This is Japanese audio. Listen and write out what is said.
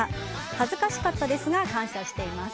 恥ずかしかったですが感謝しています。